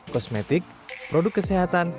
kosmetik produk kesehatan